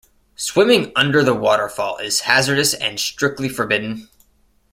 Swimming under the waterfall is hazardous and strictly forbidden.